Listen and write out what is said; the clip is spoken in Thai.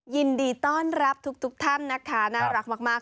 ยินดีต้อนรับทุกท่านนะคะน่ารักมาก